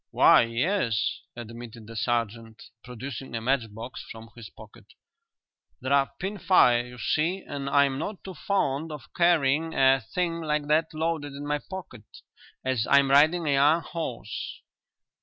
"Why, yes," admitted the sergeant, producing a matchbox from his pocket. "They're pin fire, you see, and I'm not too fond of carrying a thing like that loaded in my pocket as I'm riding a young horse."